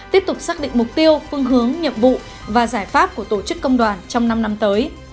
tiếp tục xác định mục tiêu phương hướng nhiệm vụ và giải pháp của tổ chức công đoàn trong năm năm tới